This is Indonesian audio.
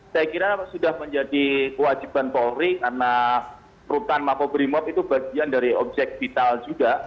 saya kira sudah menjadi kewajiban polri karena rutan makobrimob itu bagian dari objek vital juga